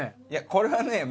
いやこれはね